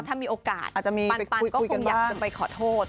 ถ้ามีโอกาสปันก็คงอยากจะไปขอโทษ